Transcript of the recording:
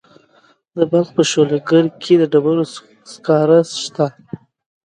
د بلخ په شولګره کې د ډبرو سکاره شته.